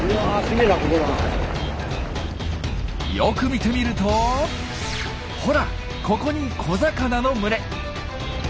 よく見てみるとほらここに小魚の群れ。